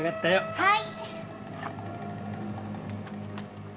はい！